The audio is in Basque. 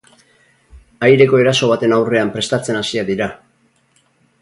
Aireko eraso baten aurrean prestatzen hasiak dira.